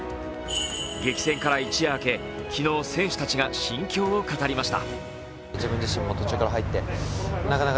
激戦から一夜明け、昨日、選手たちが心境を語りました。